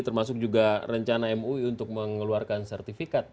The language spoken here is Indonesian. termasuk juga rencana mui untuk mengeluarkan sertifikat